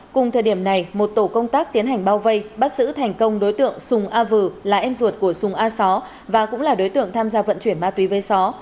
cùng thời điểm này một tổ công tác tiến hành bao vây bắt xử thành công đối tượng sùng a vừ là em ruột của sùng a só và cũng là đối tượng tham gia vận chuyển ma túy với só